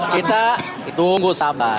kita tunggu sabar